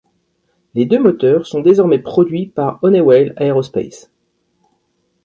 Les deux moteurs sont désormais produits par Honeywell Aerospace.